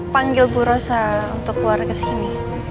panggil bu rosa untuk keluar kesini